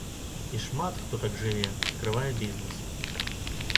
І шмат хто так жыве, адкрывае бізнэс.